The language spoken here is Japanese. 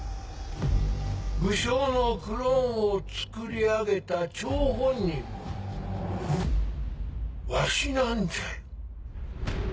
武将のクローンをつくり上げた張本人はわしなんじゃよ。